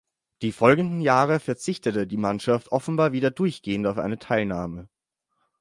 Die folgenden Jahre verzichtete die Mannschaft offenbar wieder durchgehend auf eine Teilnahme.